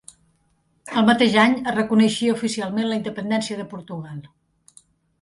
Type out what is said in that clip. El mateix any es reconeixia oficialment la independència de Portugal.